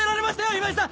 今井さん！